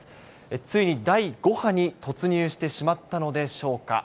ついに第５波に突入してしまったのでしょうか。